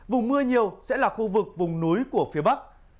vùng mưa nhiều sẽ là khu vực vùng núi của phía bắc